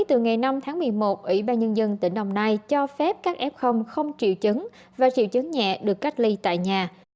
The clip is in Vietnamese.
từ ngày năm tháng một mươi một ủy ban nhân dân tỉnh đồng nai cho phép các f không triệu chứng và triệu chứng nhẹ được cách ly tại nhà